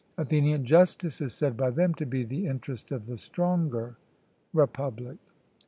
ATHENIAN: Justice is said by them to be the interest of the stronger (Republic).